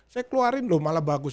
saya keluarin loh malah bagus